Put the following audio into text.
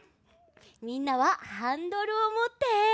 みんなはハンドルをもって！